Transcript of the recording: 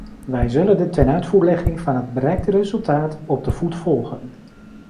Wij zullen de tenuitvoerlegging van het bereikte resultaat op de voet volgen.